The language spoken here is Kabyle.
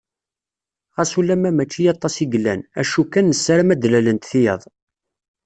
Xas ulamma mačči aṭas i yellan, acu kan nessaram ad d-lalent tiyaḍ.